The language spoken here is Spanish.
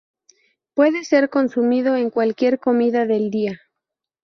Puede ser consumido en cualquier comida del día.